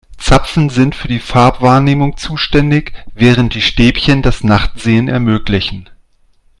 Zapfen sind für die Farbwahrnehmung zuständig, während die Stäbchen das Nachtsehen ermöglichen.